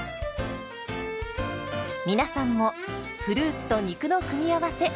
皆さんもフルーツと肉の組み合わせ